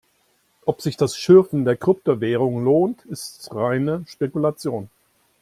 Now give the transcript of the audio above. Ob sich das Schürfen der Kryptowährung lohnt, ist reine Spekulation.